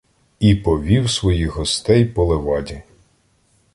І повів своїх гостей по леваді.